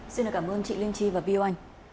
xin cảm ơn chị linh chi và viu anh